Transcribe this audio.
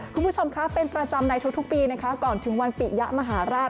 คุณผู้ชมคะเป็นประจำในทุกปีนะคะก่อนถึงวันปิยะมหาราช